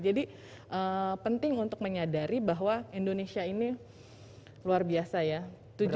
jadi penting untuk menyadari bahwa indonesia ini luar biasa ya tujuh belas pulau